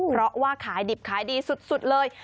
เพราะว่าขายดิบขายดีสุดเลย